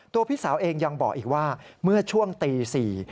พี่สาวเองยังบอกอีกว่าเมื่อช่วงตี๔